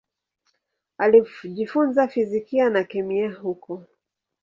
Alijifunza fizikia na kemia huko.